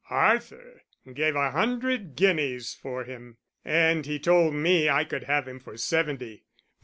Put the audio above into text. Arthur gave a hundred guineas for him, and he told me I could have him for seventy.